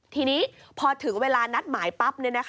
ทีนี้พอถึงเวลานัดหมายปั๊บ